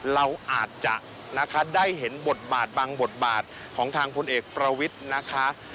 เราอาจจะนะคะได้เห็นบทบาทบางบทบาทของทางพลเอกประวิทย์นะคะ